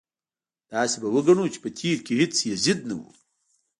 داسې به وګڼو چې په تېر کې هېڅ یزید نه و.